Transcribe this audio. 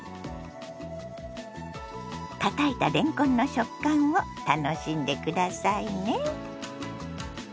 たたいたれんこんの食感を楽しんで下さいね。